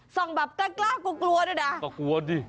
ต้องแบบกล้ากลัวด้วยนะ